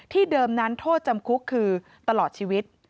เดิมนั้นโทษจำคุกคือตลอดชีวิต